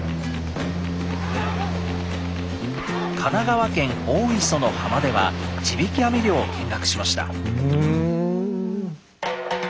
神奈川県大磯の浜では地引き網漁を見学しました。